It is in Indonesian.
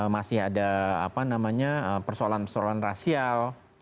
masih ada persoalan persoalan rasial